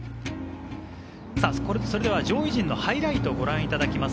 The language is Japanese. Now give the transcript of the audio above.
上位陣のハイライトをご覧いただきます。